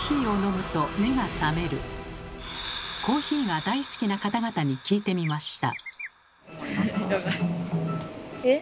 コーヒーが大好きな方々に聞いてみました。